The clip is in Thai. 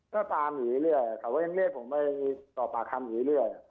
ก็ตามอยู่เรื่อยเขาก็ยังเรียกผมไปสอบปากคำอยู่เรื่อย